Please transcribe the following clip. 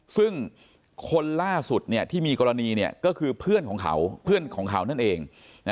ซึ่งคนล่าสุดที่มีกรณีก็คือเพื่อนของเขาเพื่อนของเขานั่นเอง